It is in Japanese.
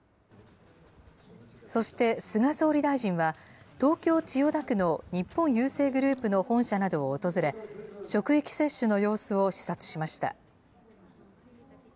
そして、菅総理大臣は、東京・千代田区の日本郵政グループの本社などを訪れ、職域接種の様子を視察しました。